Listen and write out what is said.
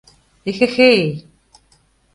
Эхе-хе-ей!